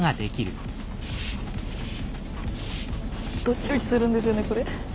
ドキドキするんですよねこれ。